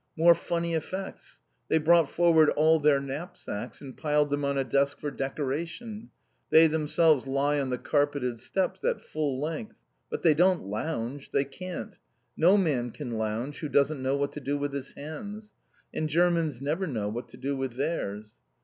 More funny effects! They've brought forward all their knap sacks, and piled them on a desk for decoration. They themselves lie on the carpeted steps at full length. But they don't lounge. They can't. No man can lounge who doesn't know what to do with his hands. And Germans never know what to do with theirs.